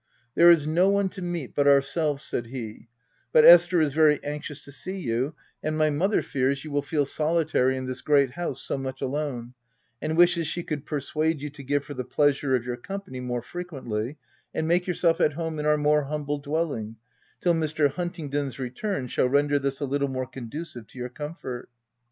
" There is no one to meet but ourselves," said he ;" but Esther is very anxious to see you ; and my mother fears you will feel solitary in this great house so much alone, and wishes she could persuade you to give her the plea sure of your company more frequently, and make yourself at home in our more humble dwelling, till Mr. Huntingdon's return shall render this a little more conducive to your comfort.'